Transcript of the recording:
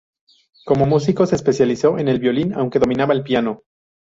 Como músico se especializó en el violín aunque dominaba el piano.